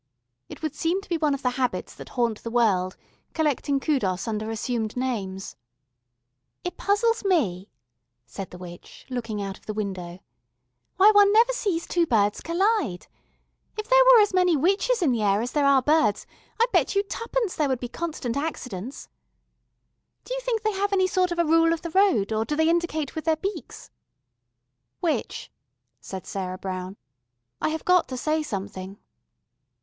It would seem to be one of the Habits that haunt the world, collecting Kudos under assumed names...." "It puzzles me," said the witch, looking out of the window, "why one never sees two birds collide. If there were as many witches in the air as there are birds, I bet you twopence there would be constant accidents. Do you think they have any sort of a rule of the road, or do they indicate with their beaks " "Witch," said Sarah Brown, "I have got to say something."